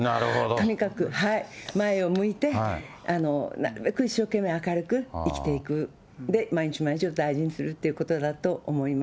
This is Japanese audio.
とにかく前を向いて、なるべく一生懸命明るく生きていく、で、毎日毎日を大事にするってことだと思います。